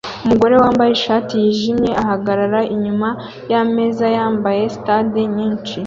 Umugore wambaye ishati yijimye ahagarara inyuma yameza yambaye salade nyinshi